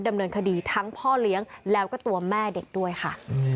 ดำเนินคดีทั้งพ่อเลี้ยงแล้วก็ตัวแม่เด็กด้วยค่ะ